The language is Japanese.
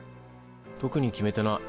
特に決めてない。